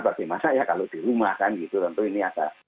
bagi masa ya kalau di rumah kan gitu tentu ini ada